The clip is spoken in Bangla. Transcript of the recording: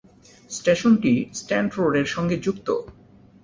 স্টেশনটি স্ট্যান্ড রোডের সঙ্গে যুক্ত।